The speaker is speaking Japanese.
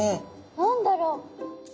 何だろう？